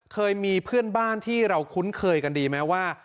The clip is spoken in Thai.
เคยมีเพื่อนบ้านที่เราคุ้นเคยกันดีไหมว่า